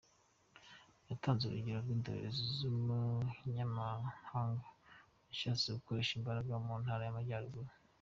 Yatanze urugero rw’indorerezi y’umunyamahanga yashatse gukoresha imbaraga mu ntara y’Amajyaruguru.